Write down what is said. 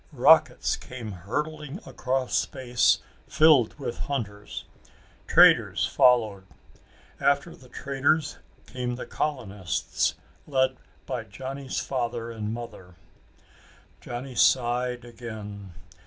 Rockets came hurtling across space filled with hunters. Traders followed. After the traders came the colonists, led by Johnny's father and mother. Johnny sighed again.